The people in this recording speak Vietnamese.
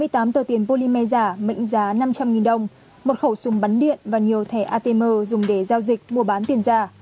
hai mươi tám tờ tiền polymer giả mệnh giá năm trăm linh đồng một khẩu súng bắn điện và nhiều thẻ atm dùng để giao dịch mua bán tiền giả